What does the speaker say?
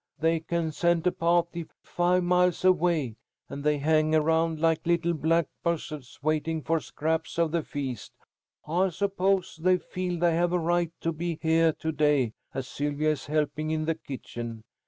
"They can scent a pahty five miles away, and they hang around like little black buzzahds waiting for scraps of the feast. I suppose they feel they have a right to be heah to day, as Sylvia is helping in the kitchen.